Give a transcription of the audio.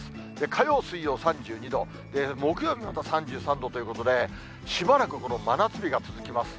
火曜、水曜３２度、木曜日もまた３３度ということで、しばらくこの真夏日が続きます。